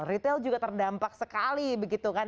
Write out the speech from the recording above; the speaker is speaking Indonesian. retail juga terdampak sekali begitu kan